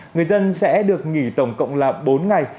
người dân sẽ được nghỉ tổng cộng là bốn ngày